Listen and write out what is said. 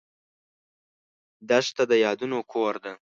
دښته د یادونو کور ده.